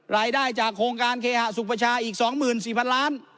รายได้จากโครงการเคฮสุขประชาอีกสองหมื่นสี่พันล้าน